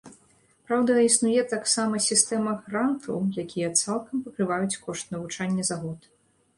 Праўда, існуе таксама сістэма грантаў, якія цалкам пакрываюць кошт навучання за год.